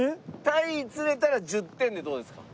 タイ釣れたら１０点でどうですか？